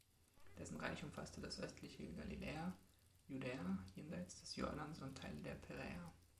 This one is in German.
Dessen Reich umfasste das östliche Galiläa, Judäa jenseits des Jordans und Teile der Peräa.